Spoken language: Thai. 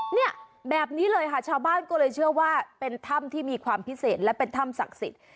เนี่ยแบบนี้เลยค่ะชาวบ้านก็เลยเชื่อว่าเป็นถ้ำที่มีความพิเศษและเป็นถ้ำศักดิ์สิทธิ์